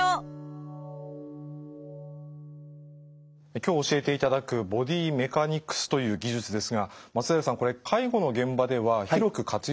今日教えていただくボディメカニクスという技術ですが松平さんこれ介護の現場では広く活用されているんでしょうか？